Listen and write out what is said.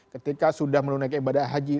ketika sudah menunaikan ibadah haji